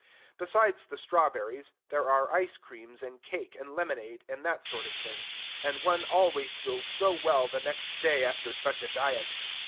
Besides the strawberries, there are ice creams and cake and lemonade, and that sort of thing: and one always feels so well the next day after such a diet!